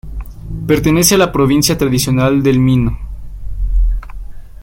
Pertenece a la provincia tradicional del Minho.